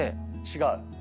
違う？